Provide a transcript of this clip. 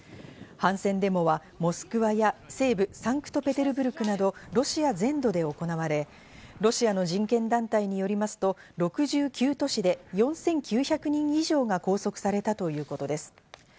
反戦デモはモスクワや西部サンクトペテルブルクなど、ロシア全土で行われ、ロシアの人権団体によりますと、６９都市で４９００人以上が拘束されたということです。